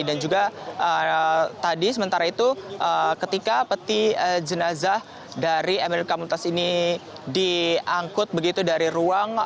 dan juga tadi sementara itu ketika peti jenazah dari mlk muntas ini diangkut begitu dari ruang